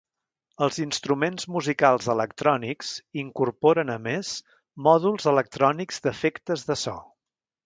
Els instruments musicals electrònics incorporen a més mòduls electrònics d'efectes de so.